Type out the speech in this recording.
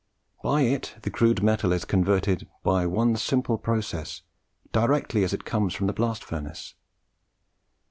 By it the crude metal is converted by one simple process, directly as it comes from the blast furnace.